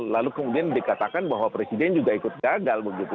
lalu kemudian dikatakan bahwa presiden juga itu